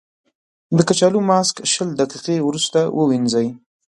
د کچالو ماسک شل دقیقې وروسته ووينځئ.